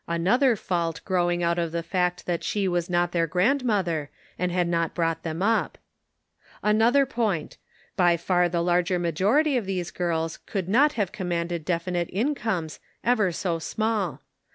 Another fault growing out of the fact that she was not their grandmother, and had not brought them up. Another point : by far the larger majority of these girls could not have commanded definite incomes, ever so small.